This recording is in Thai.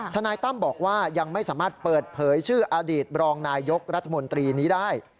ทนายตั้มบอกว่ายังไม่สามารถเปิดเผยชื่ออดีตรองนายยกรัฐมนตรีนี้ได้